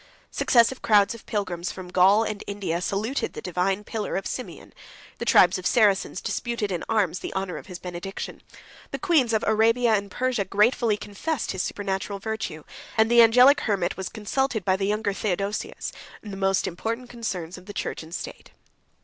Successive crowds of pilgrims from Gaul and India saluted the divine pillar of Simeon: the tribes of Saracens disputed in arms the honor of his benediction; the queens of Arabia and Persia gratefully confessed his supernatural virtue; and the angelic Hermit was consulted by the younger Theodosius, in the most important concerns of the church and state.